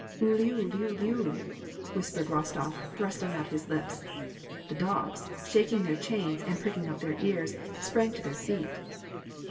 " Uliuliuliu I " whispered Rostof, thrusting out his lips. The dogs, shaking their chains, and pricking up their ears, sprang to their feet.